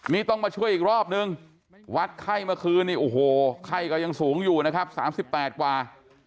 นี่ต้องมาช่วยอีกรอบนึงวัดไข้เมื่อคืนนี้โอ้โหไข้ก็ยังสูงอยู่นะครับ๓๘กว่า